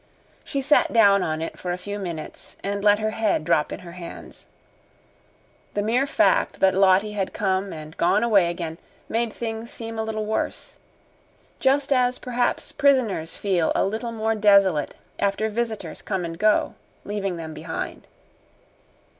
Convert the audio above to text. She sat down on it for a few minutes and let her head drop in her hands. The mere fact that Lottie had come and gone away again made things seem a little worse just as perhaps prisoners feel a little more desolate after visitors come and go, leaving them behind.